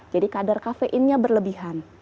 jadi kadar kafeinnya berlebihan